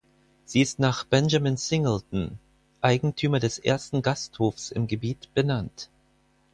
Sie ist nach Benjamin Singleton, Eigentümer des ersten Gasthofs im Gebiet, benannt.